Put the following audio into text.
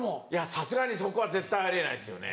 さすがにそこは絶対あり得ないですよね。